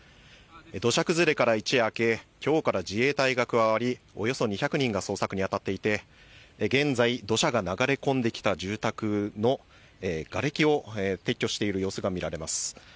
土砂崩れから一夜明け、きょうから自衛隊が加わり、およそ２００人が捜索に当たっていて、現在、土砂が流れ込んできた住宅のがれきを撤去している様子が見られます。